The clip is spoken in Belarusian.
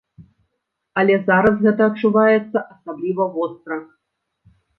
Але зараз гэта адчуваецца асабліва востра.